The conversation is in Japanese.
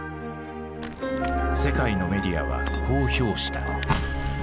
世界のメディアはこう評した。